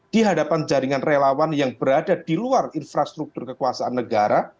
di hadapan jaringan relawan yang berada di luar infrastruktur kekuasaan negara